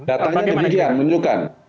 datanya demikian menunjukkan